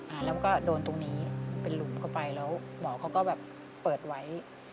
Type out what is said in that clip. เราก็โดนตรงนี้เป็นหลุมเข้าไปแล้วหมอเขาก็แบบเปิดไว้